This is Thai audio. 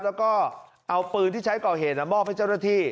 แล้วก็เอาปืนที่ใช้ก่อเหตุมอบให้เจ้าหน้าที่